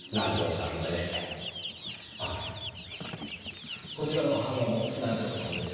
あこちらの版画も南条さんですか？